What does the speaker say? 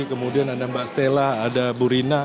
kemudian ada mbak stella ada bu rina